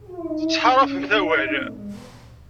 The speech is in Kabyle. Tettḥaṛafemt awal.